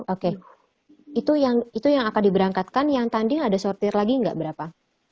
oke itu yang akan diberangkatkan yang tanding ada sortir lagi nggak berapa